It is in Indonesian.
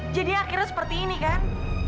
jadi akhirnya seperti ini kan